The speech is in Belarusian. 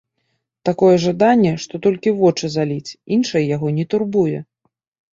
Такое жаданне, што толькі вочы заліць, іншае яго не турбуе.